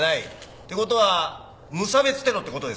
って事は無差別テロって事ですね。